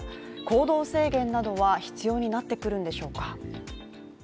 行動制限などは必要になってくるんでしょうか。